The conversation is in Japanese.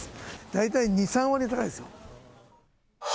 大体２、３割高いですよ。